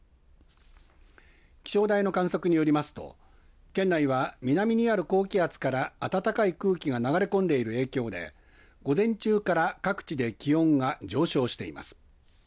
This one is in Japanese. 気象台の観測によりますと県内は南にある高気圧から暖かい空気が流れ込んでいる影響で午前中から各地で気温が上昇しています。